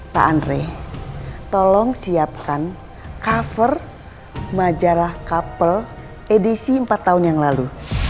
pak andre tolong siapkan cover majalah couple edisi empat tahun yang lalu